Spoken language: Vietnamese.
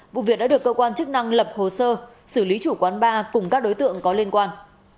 vụ việc đã được cơ quan chức năng lập hồ sơ xử lý chủ quán bar cùng các đối tượng có liên quan